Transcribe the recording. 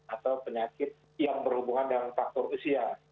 atau penyakit yang berhubungan dengan faktor usia